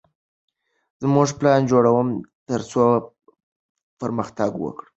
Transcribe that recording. زه پلان جوړوم ترڅو پرمختګ وکړم.